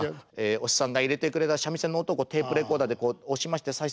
お師匠さんが入れてくれた三味線の音をテープレコーダーで押しまして再生。